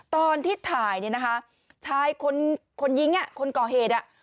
ตอนที่ถ่ายนะคะคนยิงคนก่อเหตุ